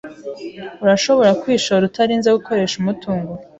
Urashobora kwishora utarinze gukoresha umutungo.